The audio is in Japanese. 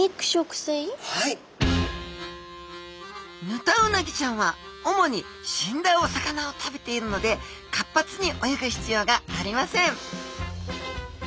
ヌタウナギちゃんは主に死んだお魚を食べているので活発に泳ぐ必要がありません